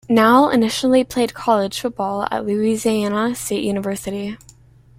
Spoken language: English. Nall initially played college football at Louisiana State University.